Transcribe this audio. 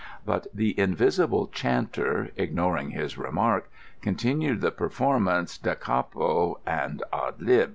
But the invisible chanter, ignoring his remark, continued the performance da capo and _ad lib.